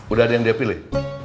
udah ada yang dia pilih